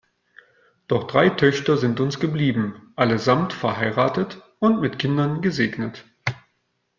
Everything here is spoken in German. Doch drei Töchter sind uns geblieben, allesamt verheiratet und mit Kindern gesegnet.